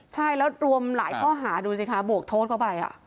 ใช่แล้วรวมหลายข้อหาดูสิคะบวกโทษเข้าไป